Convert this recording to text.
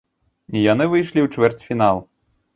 Яны выйшлі ў чвэрцьфінал.